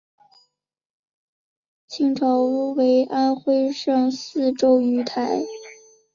清朝为安徽省泗州盱眙。